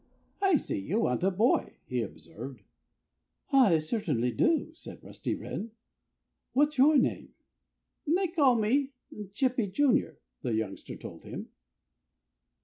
"I see you want a boy," he observed. "I certainly do!" said Rusty Wren. "What's your name?" "They call me 'Chippy, Junior,'" the youngster told him.